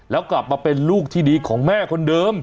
แล้วกลับมาเป็นลูกที่ดีของแม่คนเดิม